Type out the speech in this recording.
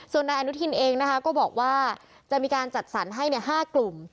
ส่วนนายอนุทินเองนะคะก็บอกว่าจะมีการจัดสรรให้๕กลุ่ม